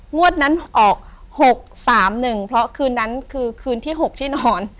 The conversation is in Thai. งวดนั้นออก๖๓๑เพราะคืนนั้นคือคืนที่๖ที่นอน